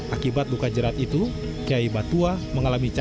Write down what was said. akibat buka jerat itu kiai batua mengalami penyakit